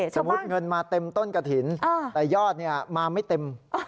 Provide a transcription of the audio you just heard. สมมุติเงินมาเต็มต้นกระถิ่นแต่ยอดมาไม่เต็ม